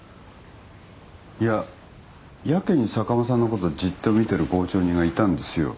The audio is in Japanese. いややけに坂間さんのことじっと見てる傍聴人がいたんですよ。